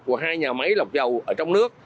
của hai nhà máy lọc dầu ở trong nước